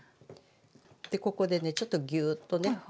でここでねちょっとぎゅっとね。